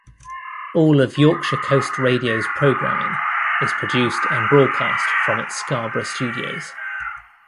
All of Yorkshire Coast Radio's programming is produced and broadcast from its Scarborough studios.